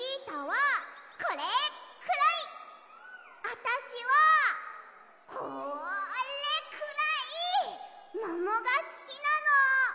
あたしはこれくらいももがすきなの。